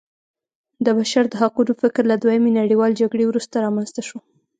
د بشر د حقونو فکر له دویمې نړیوالې جګړې وروسته رامنځته شو.